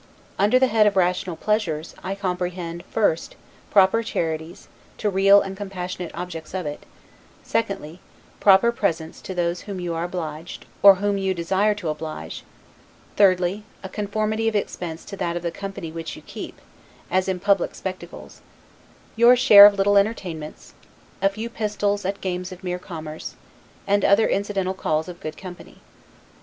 Under the head of rational pleasures, I comprehend, first, proper charities, to real and compassionate objects of it; secondly, proper presents to those to whom you are obliged, or whom you desire to oblige; thirdly, a conformity of expense to that of the company which you keep; as in public spectacles; your share of little entertainments; a few pistoles at games of mere commerce; and other incidental calls of good company.